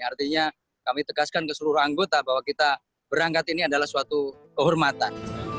artinya kami tegaskan ke seluruh anggota bahwa kita berangkat ini adalah suatu kehormatan